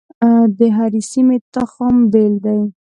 د هرې سیمې تخم بیل دی.